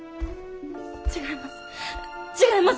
違います。